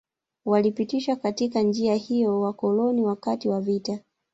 Walipitishwa katika njia hiyo na Wakoloni wakati wa vita